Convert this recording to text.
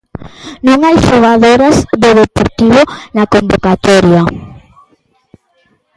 Non hai xogadoras do Deportivo na convocatoria.